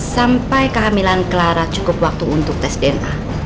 sampai kehamilan clara cukup waktu untuk tes dna